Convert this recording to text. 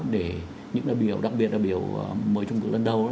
để những đại biểu đặc biệt đại biểu mới trụng được lên đầu